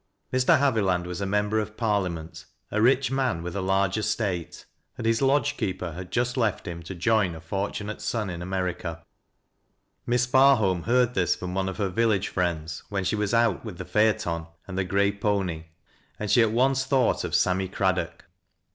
Mr. Llaviland was a Member of Parliament, a rich man with a large estate, and his lodge keeper had just left him to join a fortunate son in America. Miss Barholm heai'd thia from one of her village fj^ends when she was out with the phaeton and the gray pony, and she at once thought of Sam my Craddock.